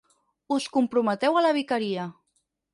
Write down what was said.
Us comprometeu a la vicaria.